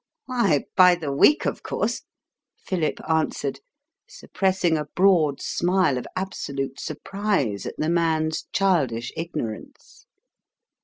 "Why, by the week, of course," Philip answered, suppressing a broad smile of absolute surprise at the man's childish ignorance.